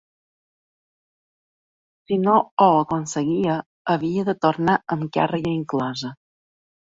Si no ho aconseguia, havia de tornar amb càrrega inclosa.